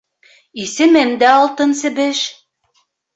Исемем дә Алтын себеш.